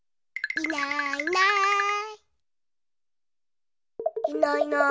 いないいない。